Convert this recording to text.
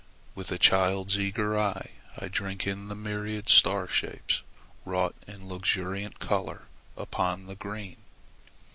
With a child's eager eye I drink in the myriad star shapes wrought in luxuriant color upon the green.